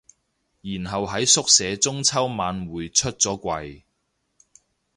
然後喺宿舍中秋晚會出咗櫃